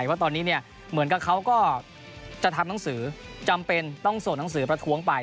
ว่าตอนนี้เนี่ยเหมือนกับเขาก็จะทำหนังสือจำเป็นต้องส่งหนังสือประท้วงไป